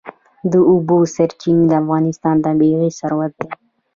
د اوبو سرچینې د افغانستان طبعي ثروت دی.